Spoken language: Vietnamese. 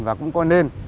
và cũng có nên